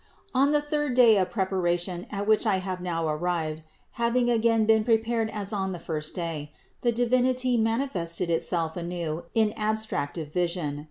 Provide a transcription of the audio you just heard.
On the third day of preparation at which I have now arrived, having again been prepared as on the first day, the Divinity manifested Itself anew in abstractive vision.